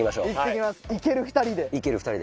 行ける２人で。